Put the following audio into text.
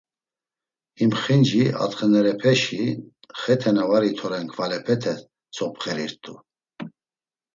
Him xinci atxenerepeşi xete na itoru kvalepete tzopxerirt̆u.